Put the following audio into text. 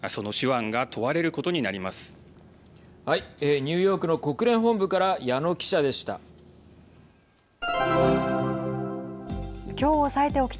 ニューヨークの国連本部から矢野記者でした。